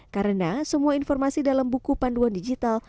karena semua informasi dalam buku panduan digital